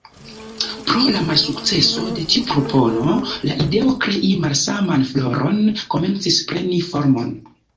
Pro la malsukceso de tiu propono, la ideo krei malsaman floron komencis preni formon.